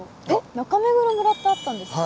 「中目黒村」ってあったんですか？